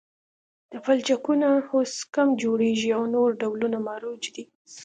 دا پلچکونه اوس کم جوړیږي او نور ډولونه مروج دي